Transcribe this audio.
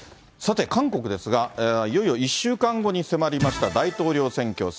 さて、韓国ですが、いよいよ１週間後に迫りました大統領選挙。